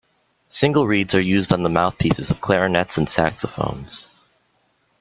Single reeds are used on the mouthpieces of clarinets and saxophones.